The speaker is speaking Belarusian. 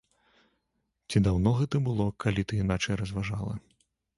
Ці даўно гэта было, калі ты іначай разважала?